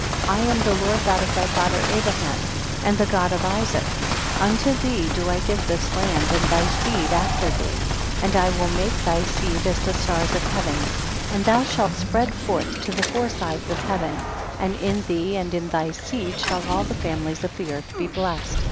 I am the Lord God of thy father Abraham and the God of Isaac, unto thee do I give this land and thy seed after thee, and I will make thy seed as the stars of heaven, and thou shalt spread forth to the four sides of heaven, and in thee and in thy seed shall all the families of the earth be blessed.